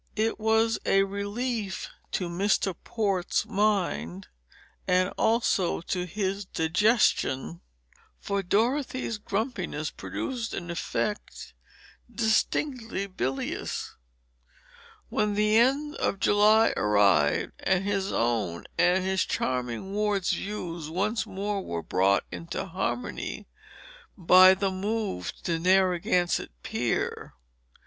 It was a relief to Mr. Port's mind, and also to his digestion for Dorothy's grumpiness produced an effect distinctly bilious when the end of July arrived and his own and his charming ward's views once more were brought into harmony by the move to Narragansett Pier.